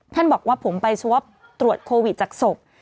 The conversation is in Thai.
ท่านบอกว่าผมไปสวอปตรวจโควิดจากศพ